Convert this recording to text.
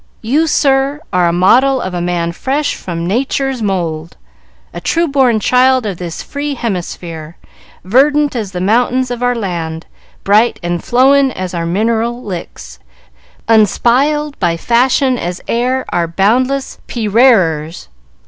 You, sir, are a model of a man fresh from Natur's mould. A true born child of this free hemisphere; verdant as the mountains of our land; bright and flowin' as our mineral Licks; unspiled by fashion as air our boundless perearers.